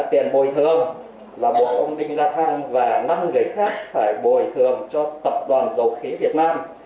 tiền bồi thường là một ông đinh la thang và năm người khác phải bồi thường cho tập đoàn dầu khí việt nam